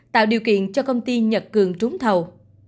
tạo điều kiện cho công ty nhật cường trúng thầu